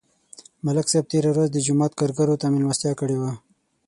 ملک صاحب تېره ورځ د جومات کارګرو ته مېلمستیا کړې وه